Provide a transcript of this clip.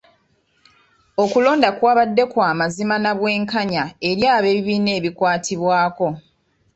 Okulonda kwabadde kwa mazima na bwenkanya eri ebibiina ebikwatibwako.